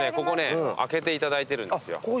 ここね開けていただいてるんですよ。